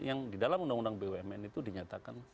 yang di dalam undang undang bumn itu dinyatakan